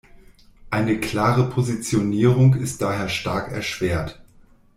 Eine klare Positionierung ist daher stark erschwert.